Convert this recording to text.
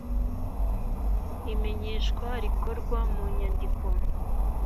Imenyesha rikorwa mu nyandiko